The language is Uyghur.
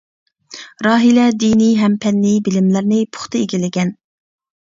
راھىلە دىنىي ھەم پەننىي بىلىملەرنى پۇختا ئىگىلىگەن.